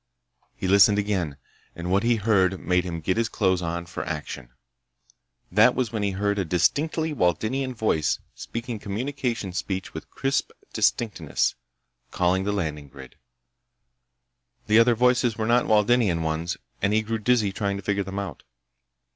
He listened again, and what he heard made him get his clothes on for action. That was when he heard a distinctly Waldenian voice, speaking communications speech with crisp distinctness, calling the landing grid. The other voices were not Waldenian ones and he grew dizzy trying to figure them out.